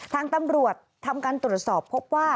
ทางตำรวจทำการตรวจสอบพบว่า